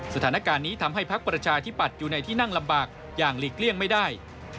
สถานการณ์นี้ทำให้พักประชาธิปัตย์อยู่ในที่นั่งลำบากอย่างหลีกเลี่ยงไม่ได้